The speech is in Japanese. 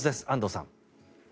安藤さん。